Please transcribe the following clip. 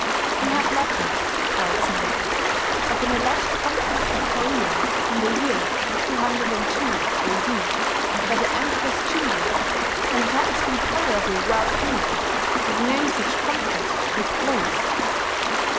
We have legends, for example, of an alleged conquest of Korea in the year 202 A.D., by the Empress Jingo; and it has been tolerably well proved that no such conquest took place.